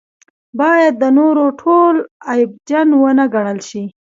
باید د نورو ټول عیبجن ونه ګڼل شي.